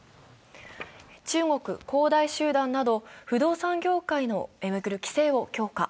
中国恒大集団など不動産業界を巡る規制を強化。